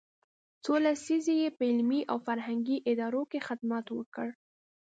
څو لسیزې یې په علمي او فرهنګي ادارو کې خدمت وکړ.